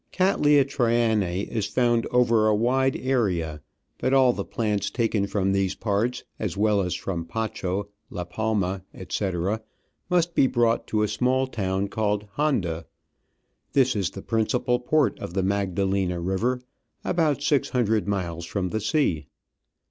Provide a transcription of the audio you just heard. Cattleya Digitized by VjOOQIC i6o Travels and Adventures Trianc^ is found over a wide area, but all the plants taken from these parts, as well as from Pacho, La Palma, etc., must be brought to a small town called Honda ; this is the principal port of the Magdalena river, about six hundred miles from the sea.